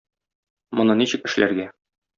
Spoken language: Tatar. Моны ничек эшләргә?